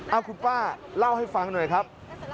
เอาคุณป้าเล่าให้ฟังหน่อยครับ